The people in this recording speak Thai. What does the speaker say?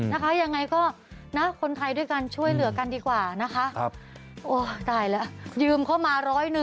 นะคะยังไงก็คนไทยด้วยกันช่วยเหลือกันดีกว่านะคะ